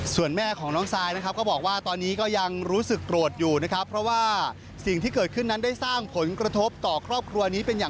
ส่วนแม่ของน้องไซน์